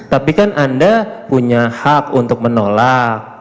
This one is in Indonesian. tapi kan anda punya hak untuk menolak